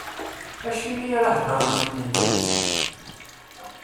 Acimi ara heddren medden deg-k?